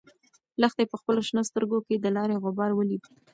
لښتې په خپلو شنه سترګو کې د لارې غبار ولید.